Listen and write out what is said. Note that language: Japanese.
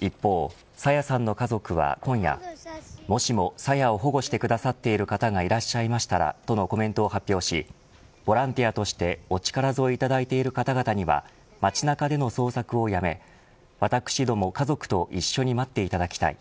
一方、朝芽さんの家族は今夜もしもさやを保護してくださっている方がいらっしゃいましたらとのコメントを発表しボランティアとしてお力添えいただいている方々には街中での捜索をやめ私ども家族と一緒に待っていただきたい。